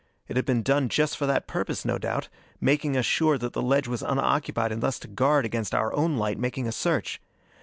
It had been done just for that purpose, no doubt making us sure that the ledge was unoccupied and thus to guard against our own light making a search.